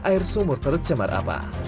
air sumur tercemar apa